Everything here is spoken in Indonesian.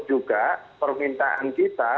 juga permintaan kita